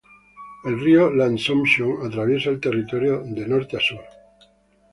El río L'Assomption atraviesa el territorio del norte al sur.